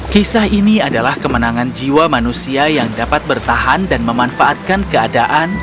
kisah ini adalah kemenangan jiwa manusia yang dapat bertahan dan memanfaatkan keadaan